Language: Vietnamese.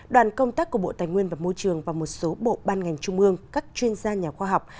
đoàn công tác của bộ tài nguyên và môi trường và một số bộ ban ngành trung ương các chuyên gia nhà khoa học